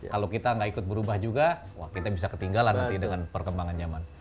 kalau kita nggak ikut berubah juga wah kita bisa ketinggalan nanti dengan perkembangan zaman